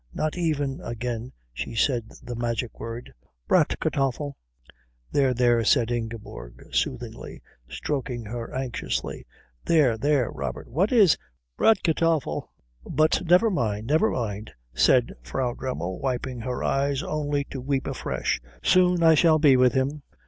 Not even" again she said the magic word "Bratkartoffel " "There, there," said Ingeborg soothingly, stroking her anxiously "there, there. Robert, what is Bratkartoffel?" "But never mind. Never mind," said Frau Dremmel, wiping her eyes only to weep afresh "soon I shall be with him.